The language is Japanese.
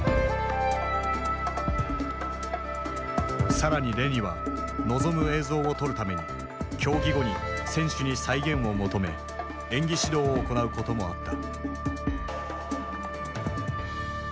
更にレニは望む映像を撮るために競技後に選手に再現を求め演技指導を行うこともあった。